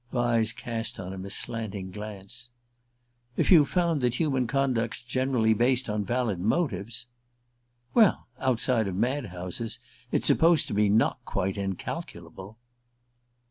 Vyse cast on him a slanting glance. "If you've found that human conduct's generally based on valid motives !" "Well, outside of mad houses it's supposed to be not quite incalculable."